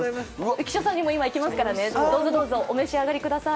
浮所さんにも今いきますからね、どうぞどうぞ、お召し上がりください。